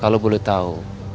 kalau boleh tahu